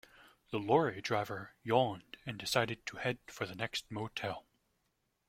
The lorry driver yawned and decided to head for the next motel.